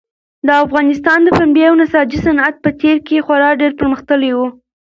د افغانستان د پنبې او نساجي صنعت په تېر کې خورا ډېر پرمختللی و.